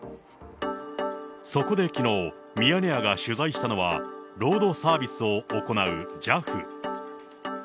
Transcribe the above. そこできのう、ミヤネ屋が取材したのは、ロードサービスを行うＪＡＦ。